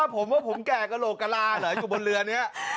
พผมแก่คงโหลกลาเหรออยู่บนเรือนี้